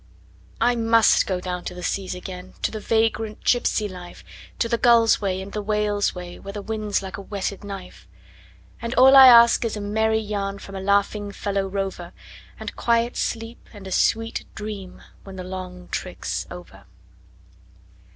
I must go down to the seas again, to the vagrant gypsy life, To the gull's way and the whale's way, where the wind's like a whetted knife; And all I ask is a merry yarn from a laughing fellow rover, And quiet sleep and a sweet dream when the long trick's over.